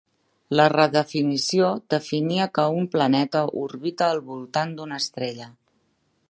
La redefinició definia que un planeta orbita al voltant d'una estrella.